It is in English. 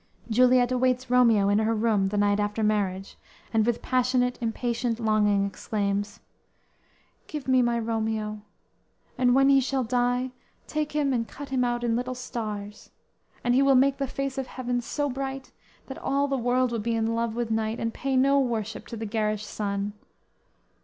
Juliet awaits Romeo in her room the night after marriage, and with passionate, impatient longing exclaims: _"Give me my Romeo; and when he shall die Take him and cut him out in little stars, And he will make the face of heaven so bright That all the world will be in love with night, And pay no worship to the garish sun.